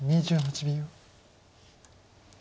２８秒。